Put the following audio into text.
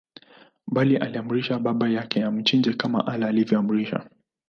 Bali alimuhimiza baba yake amchinje kama Allah alivyomuamrisha